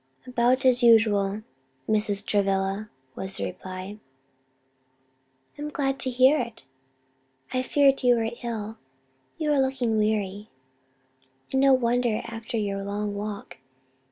"About as usual, Mrs. Travilla," was the reply. "I am glad to hear it. I feared you were ill. You are looking weary; and no wonder after your long walk.